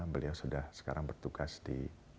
beliau sudah sekarang bertugas di